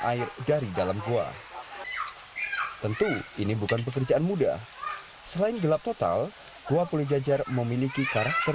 air dari dalam gua tentu ini bukan pekerjaan mudah selain gelap total gua pulijajar memiliki karakter